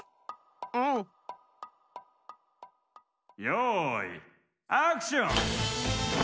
よいアクション！